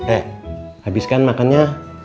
eh habiskan makannya